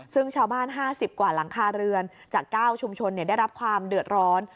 ซึ่งชาวบ้าน๕๐กว่าหลังคาเรือนจาก๙ชุมชนได้รับความเดือดร้อน